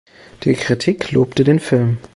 Die Kritik lobte den Film.